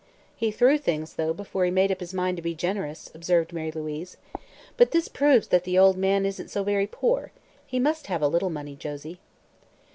"He threw things, though, before he made up his mind to be generous," observed Mary Louise. "But this proves that the old man isn't so very poor. He must have a little money, Josie."